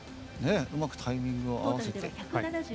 うまくタイミングを合わせて。